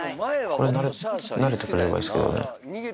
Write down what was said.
これに慣れてくれるといいですけどね。